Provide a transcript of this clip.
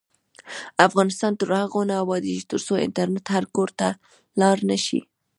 افغانستان تر هغو نه ابادیږي، ترڅو انټرنیټ هر کور ته لاړ نشي.